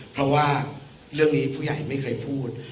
เพราะว่าเรื่องนี้ผู้ใหญ่ไม่เคยพูด